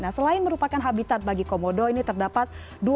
nah selain merupakan habitat bagi komodo ini terdapat dua ratus tujuh puluh tujuh